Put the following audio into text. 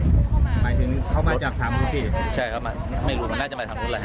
หมายถึงเข้ามาจากสามสุดสี่ใช่เข้ามาไม่รู้มันน่าจะไปสามสุดอะไรฮะ